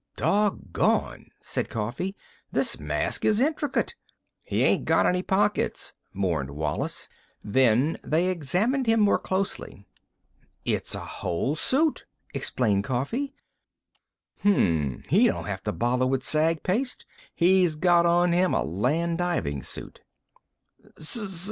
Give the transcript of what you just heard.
"Dawggone!" said Coffee. "This mask is intricate." "He ain't got any pockets," mourned Wallis. Then they examined him more closely. "It's a whole suit," explained Coffee. "H m.... He don't have to bother with sag paste. He's got him on a land diving suit."